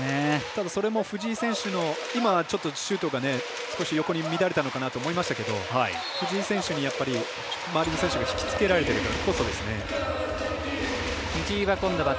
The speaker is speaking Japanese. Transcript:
それも藤井選手のシュート少し横に乱れたのかなと思いますけど藤井選手に周りの選手が引き付けられている。